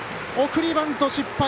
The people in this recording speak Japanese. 送りバント失敗。